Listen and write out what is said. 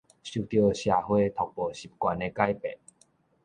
受著社會讀報習慣的改變